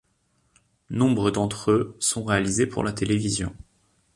Nombre d'entre eux sont réalisés pour la télévision.